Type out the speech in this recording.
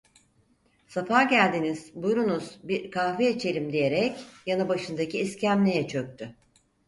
"Safa geldiniz! Buyurunuz bir kahve içelim!" diyerek, yanıbaşındaki iskemleye çöktü.